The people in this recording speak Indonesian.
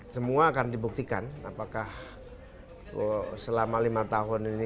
semua akan dibuktikan apakah selama lima tahun ini